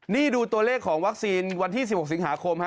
นี่ดูตัวเลขของวัคซีนฟรายเซอร์วันที่๑๖สิงหาคม